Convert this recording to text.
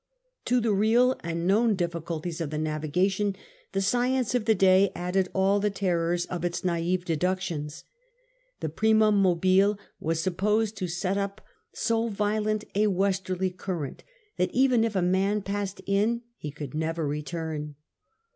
To the real and known difficulties of the navigation, the science of the day added all the terrors of its naive deductions. The primum mobile was supposed to set up so violent a westerly current that even if a man passed in he could never return.